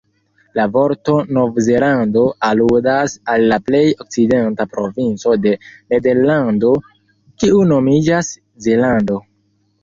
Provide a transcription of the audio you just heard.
La vorto "Nov-Zelando" aludas al la plej okcidenta provinco de Nederlando, kiu nomiĝas Zelando.